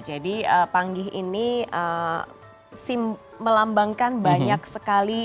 jadi panggih ini melambangkan banyak sekalian